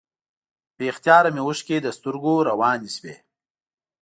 بې اختیاره مې اوښکې له سترګو روانې شوې.